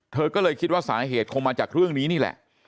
เธอก็เลยคิดว่าสาเหตุคงมาจากเรื่องนี้นี่แหละ